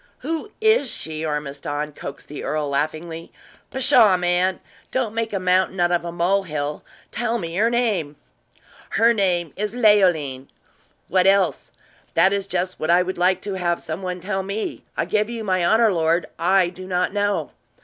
"Who is she, Ormiston?" coaxed the earl, laughingly. "Pshaw, man! don't make a mountain out of a mole hill! Tell me her name!" "Her name is Leoline." "What else?" "That is just what I would like to have some one tell me. I give you my honor, my lord, I do not know."